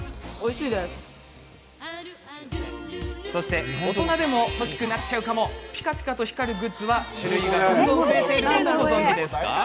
そして、大人でも欲しくなるピカピカと光るグッズは種類がどんどん増えていることご存じでした？